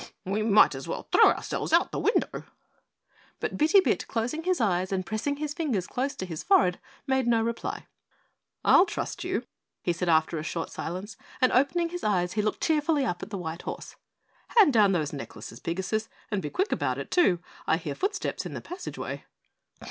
"We might as well throw ourselves out of the window." But Bitty Bit, closing his eyes and pressing his fingers close to his forehead, made no reply. "I'll trust you," he said after a short silence, and opening his eyes he looked cheerfully up at the white horse. "Hand down those necklaces, Pigasus, and be quick about it too; I hear footsteps in the passageway."